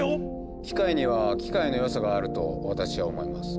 機械には機械の良さがあると私は思います。